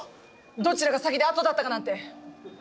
どちらが先であとだったかなんて。